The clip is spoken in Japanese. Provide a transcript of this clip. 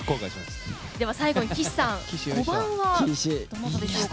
最後に岸さん、５番はどなたでしょうか？